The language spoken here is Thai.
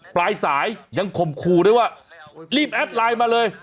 ปลายสายยังข่มขู่ด้วยว่ารีบแอดไลน์มาเลย